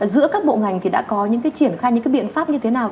giữa các bộ ngành thì đã có những cái triển khai những cái biện pháp như thế nào